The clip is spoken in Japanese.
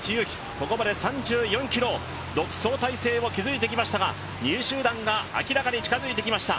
ここまで３４ｋｍ独走態勢を築いてきましたが２位集団が明らかに近づいてきました。